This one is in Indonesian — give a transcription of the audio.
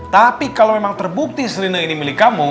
tapi kalau memang terbukti serine ini milik kamu